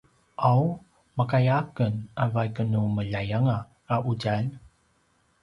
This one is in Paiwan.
’aw makaya aken a vaik nu meljayanga a ’udjalj?